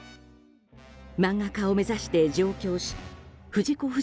漫画家を目指して上京し藤子